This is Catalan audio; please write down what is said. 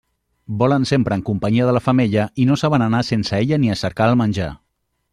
Volen sempre en companyia de la femella, i no saben anar sense ella ni a cercar el menjar.